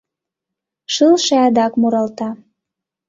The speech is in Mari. Шылше адак муралта: